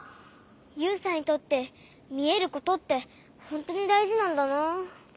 ユウさんにとってみえることってほんとにだいじなんだな。